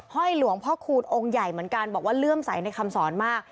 ห้อยหลวงพ่อคูณองค์ใหญ่เหมือนกันบอกว่าเลื่อมใสในคำสอนมาก